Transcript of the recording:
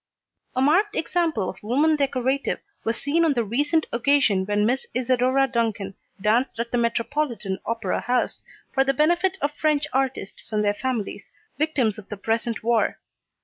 A marked example of woman decorative was seen on the recent occasion when Miss Isadora Duncan danced at the Metropolitan Opera House, for the benefit of French artists and their families, victims of the present war.